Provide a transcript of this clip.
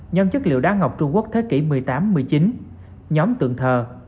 nhóm chất liệu đá ngọc trung quốc thế kỷ một mươi tám một mươi chín nhóm tượng thờ